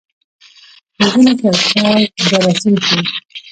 د وینې کلچر جراثیم ښيي.